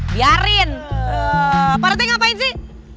biarin pak rete ngapain sih